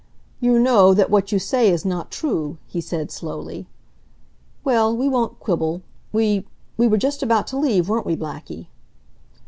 "You know that what you say is not true," he said, slowly. "Well, we won't quibble. We we were just about to leave, weren't we Blackie?"